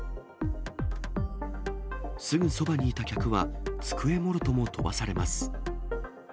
すぐそばにいた客は、机もろとも飛ばされます。